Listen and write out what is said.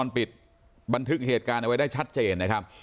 ปิดบันทึกเหตุการณ์เอาไว้ได้ชัดเจนนะครับ